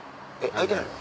開いてないの？